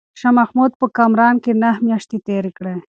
شاه محمود په کرمان کې نهه میاشتې تېرې کړې.